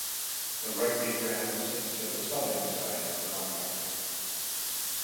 The rugby ground sits to the Southern side of the complex.